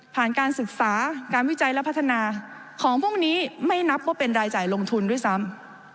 การศึกษาการวิจัยและพัฒนาของพวกนี้ไม่นับว่าเป็นรายจ่ายลงทุนด้วยซ้ำ